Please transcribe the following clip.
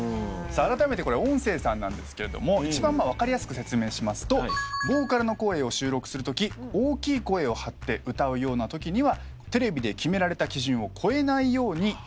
あらためて音声さんなんですが一番分かりやすく説明するとボーカルの声を収録するとき大きい声を張って歌うようなときにはテレビで決められた基準を超えないように。